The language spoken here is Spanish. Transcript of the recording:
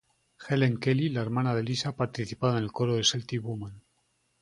Helen Kelly la hermana de Lisa ha participado en el coro de Celtic Woman.